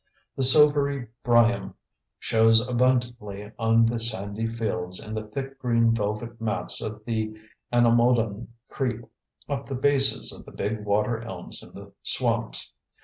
The silvery Bryum shows abundantly on the sandy fields and the thick green velvet mats of the Anomodon creep up the bases of the big water elms in the swamps.